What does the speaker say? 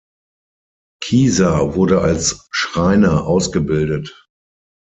Kieser wurde als Schreiner ausgebildet.